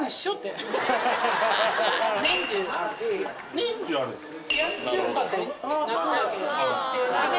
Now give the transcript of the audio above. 年中あるんですね。